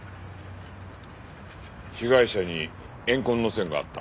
被害者に怨恨の線があった。